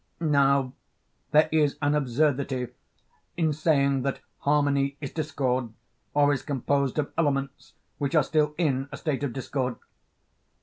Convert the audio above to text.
Now there is an absurdity saying that harmony is discord or is composed of elements which are still in a state of discord.